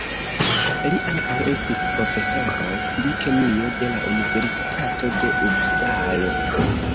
Li ankaŭ estis profesoro pri kemio de la universitato de Upsalo.